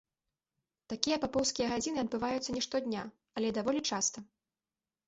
Такія папоўскія гадзіны адбываюцца не штодня, але даволі часта.